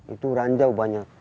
itu ranjau banyak